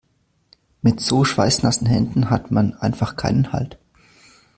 Mit so schweißnassen Händen hat man einfach keinen Halt.